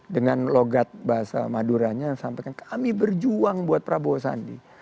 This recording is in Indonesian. dengan logat bahasa maduranya yang sampaikan kami berjuang buat prabowo sandi